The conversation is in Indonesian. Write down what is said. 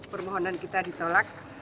permohonan kita ditolak